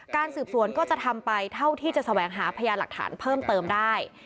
การสืบสวนก็จะทำไปเท่าที่จะแสวงหาพยานหลักฐานเพิ่มเติมได้